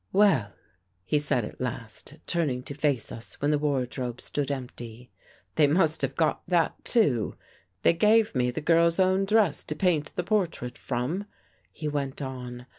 " Well," he said at last, turning to face us when the wardrobe stood empty. " They must have got that, too. They gave me the girl's own dress to paint the portrait from," he went on.